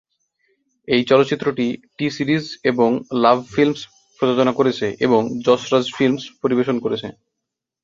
এই চলচ্চিত্রটি টি-সিরিজ এবং লাভ ফিল্মস প্রযোজনা করেছে এবং যশ রাজ ফিল্মস পরিবেশন করেছে।